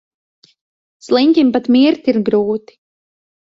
Sliņķim pat mirt ir grūti.